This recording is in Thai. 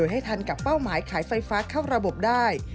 ให้ทันกับเป้าหมายขายไฟฟ้าเข้าระบบได้